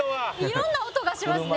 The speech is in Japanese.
色んな音がしますね。